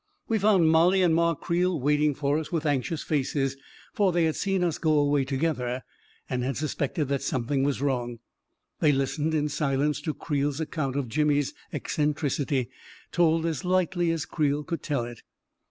We found Mollie and Ma Creel waiting for us A KING IN BABYLON 357 with anxious faces, for they had seen us go away together and had suspected that something was wrong. They listened in silence to Creel's account of Jimmy's eccentricity, told as lightly as Creel could tell it.